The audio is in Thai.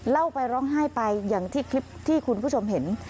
เล่าไปร้องไห้ไปอย่างที่คลิปที่คุณผู้ชมเห็น